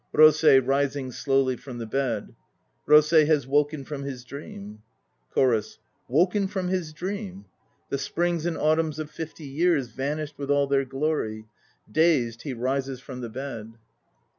ROSEI (rising slowly from the bed). Rosei has woken from his dream ... CHORUS. Woken from his dream! The springs and autumns of fifty years Vanished with all their glory; dazed he rises from the bed.